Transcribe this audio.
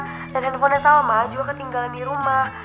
dan handphonenya salma juga ketinggalan di rumah